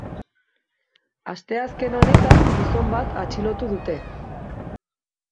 Asteazken honetan gizon bat atxilotu dute.